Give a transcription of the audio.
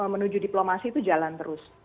menuju diplomasi itu jalan terus